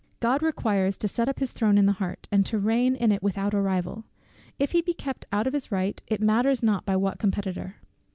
God requires to set up his throne in the heart, and to reign in it without a rival: if he be kept out of his right, it matters not by what competitor.